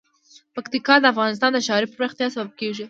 پکتیکا د افغانستان د ښاري پراختیا سبب کېږي.